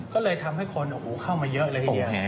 ก็เลยทำให้คนเข้ามาเยอะเลยทีเดียว